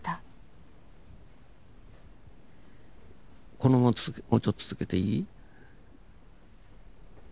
このままもうちょっと続けていい？